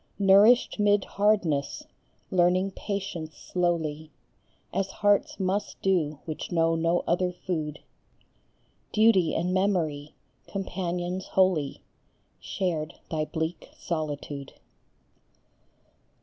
Nourished mid hardness, learning patience slowly As hearts must do which know no other food, Duty and Memory, companions holy, Shared thy bleak solitude. CHARLOTTE BRONTE.